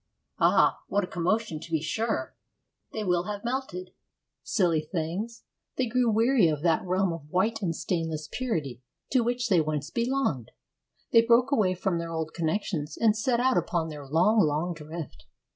Ah! what a commotion, to be sure! They will have melted! Silly things! They grew weary of that realm of white and stainless purity to which they once belonged; they broke away from their old connexions and set out upon their long, long drift.